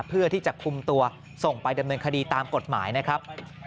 เพื่อที่จะคุมตัวส่งไปดำเนินคดีตามกฎหมายนะครับ